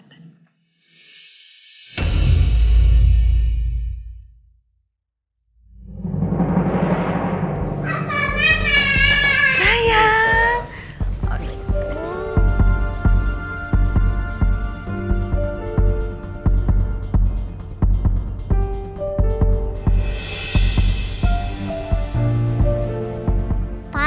temuin ya papa